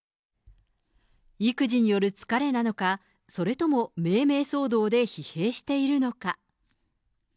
育児による疲れなのか、それとも命名騒動で疲弊しているのか。